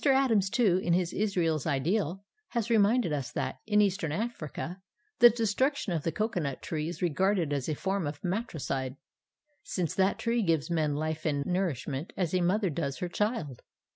Adams, too, in his Israel's Ideal, has reminded us that, in Eastern Africa, the destruction of the cocoanut tree is regarded as a form of matricide, since that tree gives men life and nourishment as a mother does her child.